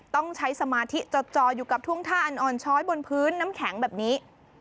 ต้องใช้สมาธิจออยู่กับท่วงท่าอันอ่อนช้อยบนพื้นน้ำแข็งแบบนี้